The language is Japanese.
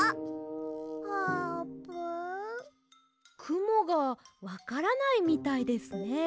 くもがわからないみたいですね。